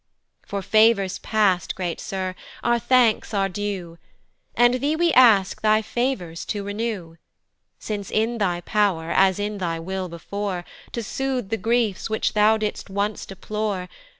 For favours past, great Sir, our thanks are due, And thee we ask thy favours to renew, Since in thy pow'r, as in thy will before, To sooth the griefs, which thou did'st once deplore.